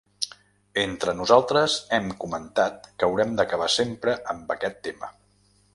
Entre nosaltres hem comentat que haurem d’acabar sempre amb aquest tema.